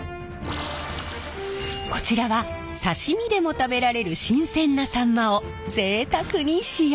こちらは刺身でも食べられる新鮮なさんまをぜいたくに使用。